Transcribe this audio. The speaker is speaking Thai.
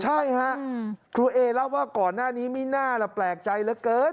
ใช่ฮะครูเอเล่าว่าก่อนหน้านี้ไม่น่าล่ะแปลกใจเหลือเกิน